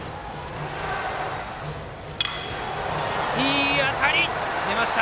いい当たり！出ました！